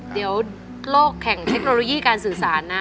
เดี๋ยวโลกแข่งเทคโนโลยีการสื่อสารนะ